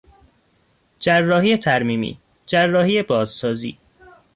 جراحی ترمیمی، جراحی بازسازی